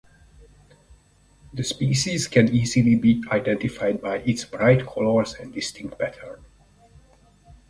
The species can easily be identified by its bright colors and distinct pattern.